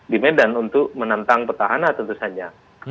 di medan untuk menantang petahana tentu saja